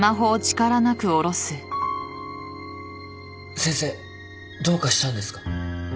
先生どうかしたんですか？